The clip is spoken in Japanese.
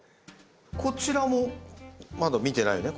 こちらもまだ見てないよね？